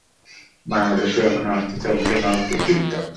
বাংলাদেশে এখনো হস্তচালিত নলকূপ বিদ্যমান।